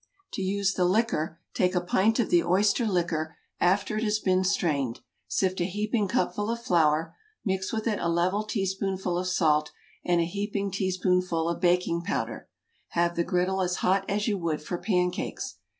To use the liquor, take a pint of the oyster liquor after it has been strained; sift a heaping cupful of flour; mix with it a level teaspoonful of salt and a heaping teaspoonful of baking powder. Have the griddle as hot as you would for pancakes.